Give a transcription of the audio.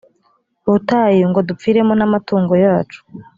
butayu ngo dupfiremo n amatungo yacu